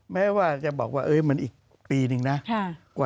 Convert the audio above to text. แม้ว่าจะบอกว่ามันอีกปีนึงนะ